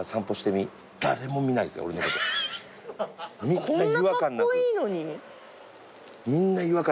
みんな違和感なく見るよ。